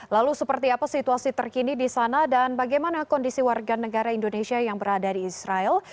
lalu seperti apa situasi terkini di sana dan bagaimana kondisi warga negara indonesia yang berada di israel